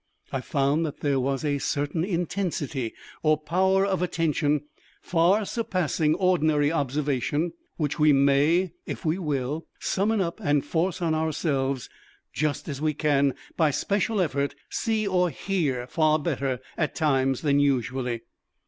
I found that there was a certain intensity or power of attention, far surpassing ordinary observation, which we may, if we will, summon up and force on ourselves, just as we can by special effort see or hear far better at times than usually.